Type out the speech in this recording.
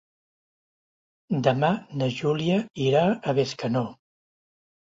Demà na Júlia irà a Bescanó.